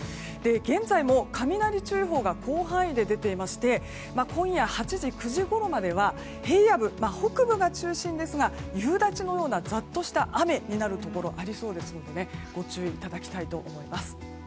現在も雷注意報が広範囲で出ていまして今夜８時、９時ごろまでは平野部北部が中心ですが夕立のようなザッとした雨になるところがありそうですのでご注意いただきたいと思います。